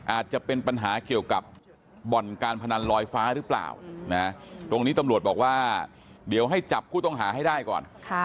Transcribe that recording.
อาจจะเป็นปัญหาเกี่ยวกับบ่อนการพนันลอยฟ้าหรือเปล่าตรงนี้ตำรวจบอกว่าเดี๋ยวให้จับผู้ต้องหาให้ได้ก่อน